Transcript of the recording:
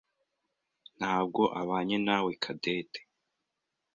ntabwo abanye nawe Cadette.